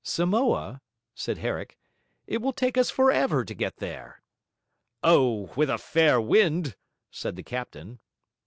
'Samoa?' said Herrick. 'It will take us for ever to get there.' 'Oh, with a fair wind!' said the captain.